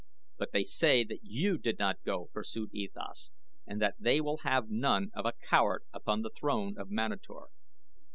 "But they say that you did not go," pursued E Thas, "and that they will have none of a coward upon the throne of Manator."